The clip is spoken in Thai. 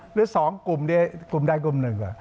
หรือ๒กลุ่มกลุ่มใดกลุ่มหนึ่ง